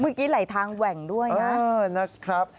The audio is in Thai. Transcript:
เมื่อกี้ไหลทางแหว่งด้วยนะครับ